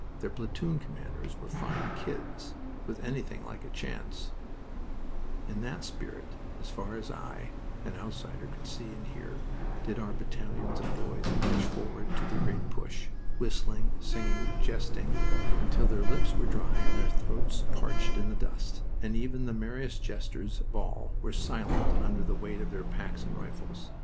Their platoon commanders were fine kids! With anything like a chance In that spirit, as far as I, an outsider could see and hear, did our battalions of boys march forward to "The Great Push," whistling, singing, jesting, until their lips were dry and their throats parched in the dust, and even the merriest jesters of all were silent under the weight of their packs and rifles.